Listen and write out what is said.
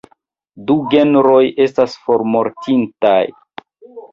Du genroj estas formortintaj.